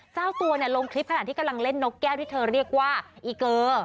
เจ้าตัวเนี่ยลงคลิปขณะที่กำลังเล่นนกแก้วที่เธอเรียกว่าอีเกอร์